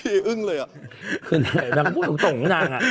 พี่อึ้งเลยอ่ะคือนางก็พูดตรงนางอ่ะ